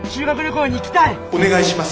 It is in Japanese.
お願いします。